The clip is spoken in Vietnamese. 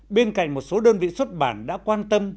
bên cạnh một số đơn vị xuất bản đã quan tâm